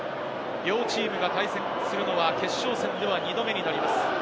両チームが対戦するのは決勝戦では２度目になります。